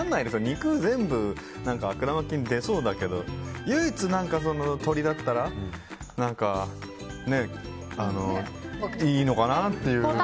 肉全部、悪玉菌出そうだけど唯一鶏だったらいいのかなっていう。